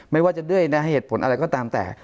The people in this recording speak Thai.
ไม่ว่าจะด้วยนะเหตุผลอะไรก็ตามแต่